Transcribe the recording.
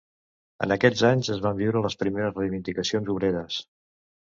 En aquests anys es van viure les primeres reivindicacions obreres.